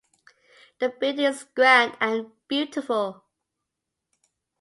The building is grand and beautiful.